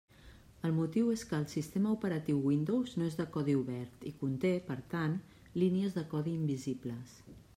El motiu és que el sistema operatiu Windows no és de codi obert i conté, per tant, línies de codi invisibles.